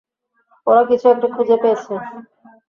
ওরা কিছু একটা খুঁজে পেয়েছে!